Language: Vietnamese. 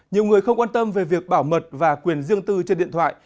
nhiều người không quan tâm về việc bảo mật và quyền riêng tư trên điện thoại